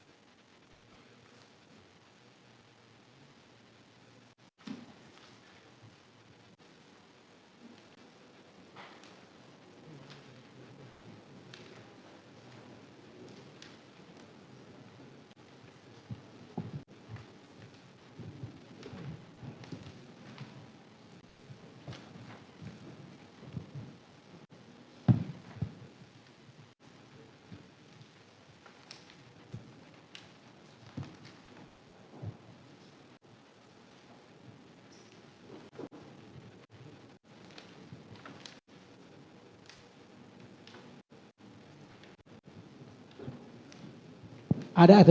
ada atau tidak